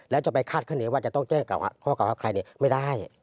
แล้วจะไปคาดคณีว่าจะต้องแจ้งข้อเก่าหาใครไม่ได้